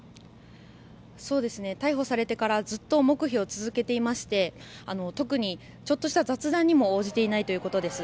逮捕されてからずっと黙秘を続けていまして特に、ちょっとした雑談にも応じていないということです。